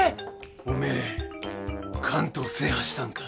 おめえ関東制覇したんか？